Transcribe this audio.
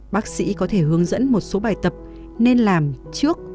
bác sĩ có thể hướng dẫn một số bài tập nên làm trước